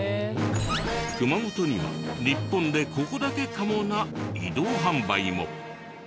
熊本には「日本でここだけかも？」な移動販売も。